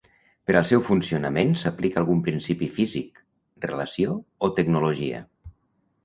Per al seu funcionament s'aplica algun principi físic, relació, o tecnologia.